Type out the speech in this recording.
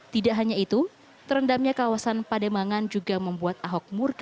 tidak hanya itu terendamnya kawasan pademangan juga membuat ahok murka